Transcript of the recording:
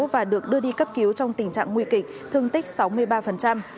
và được đưa đi cấp cứu trong tình trạng nguy kịch thương tích sáu mươi ba